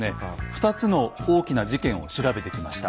２つの大きな事件を調べてきました。